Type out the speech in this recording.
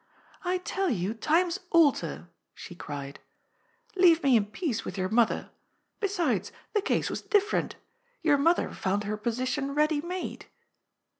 " I tell you, times alter," she cried. " Leave me in peace with your mother. Besides, the case was different. Your mother found her position ready made."